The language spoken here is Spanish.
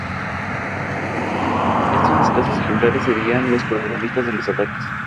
Esta versión es una mera actualización de mantenimiento que no incluye ninguna característica nueva.